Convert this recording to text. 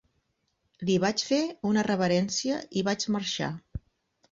Li vaig fer una reverència i vaig marxar.